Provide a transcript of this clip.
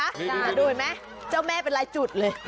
แต่ดูเห็นมั้ยเจ้าแม่เป็นไรจุดเลย